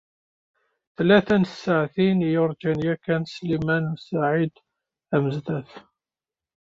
Tlata n tsaɛtin i yurǧa yakan Sliman u Saɛid Amezdat.